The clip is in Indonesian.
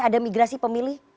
ada migrasi pemilih